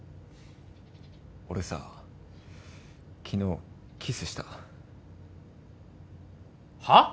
俺さ昨日キスしたはっ？